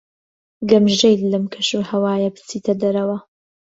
گەمژەیت لەم کەشوهەوایە بچیتە دەرەوە.